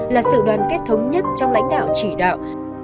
là sự đoàn kết thống nhất trong lãnh đạo chỉ đạo